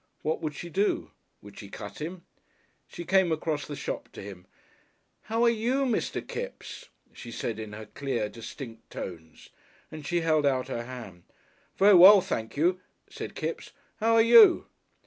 What would she do? Would she cut him? She came across the shop to him. "How are you, Mr. Kipps?" she said, in her clear, distinct tones, and she held out her hand. "Very well, thank you," said Kipps; "how are you?"